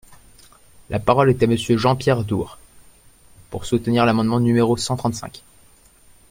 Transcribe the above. La parole est à Monsieur Jean-Pierre Door, pour soutenir l’amendement numéro cent trente-cinq.